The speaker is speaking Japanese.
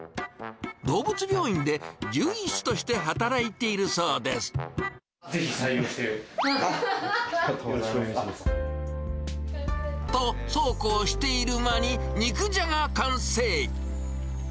動物病院で獣医師として働いていぜひ採用して、よろしくお願と、そうこうしている間に、肉じゃが完成。